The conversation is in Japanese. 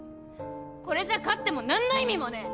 これじゃ勝ってもなんの意味もねえ！